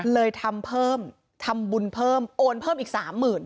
เลยทำเพิ่มทำบุญเพิ่มโอนเพิ่มอีกสามหมื่น